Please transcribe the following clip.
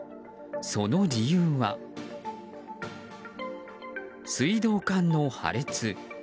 その理由は水道管の破裂。